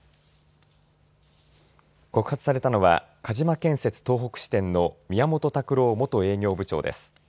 告発されたのは鹿島建設東北支店の宮本卓郎元営業部長です。